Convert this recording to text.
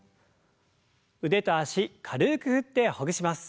腕と脚軽く振ってほぐします。